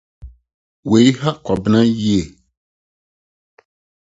Eyi haw Kwabena yiye.